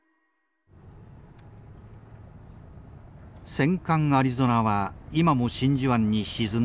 戦艦アリゾナは今も真珠湾に沈んでいる。